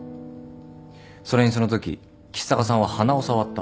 それにそのとき橘高さんは鼻を触った。